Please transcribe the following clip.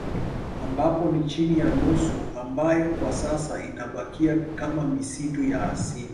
Ambapo ni chini ya nusu ambayo kwa sasa inabakia kama misitu ya asili